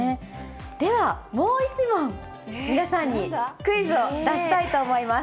ではもう１問、皆さんにクイズを出したいと思います。